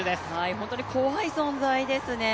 本当に怖い存在ですね。